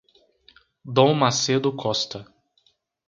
Dom Macedo Costa